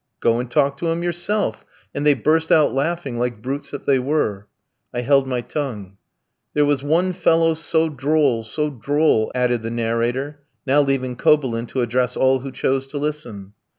"'Go and talk to him yourself,' and they burst out laughing like brutes that they were. I held my tongue. "There was one fellow so droll, so droll," added the narrator, now leaving Kobylin to address all who chose to listen.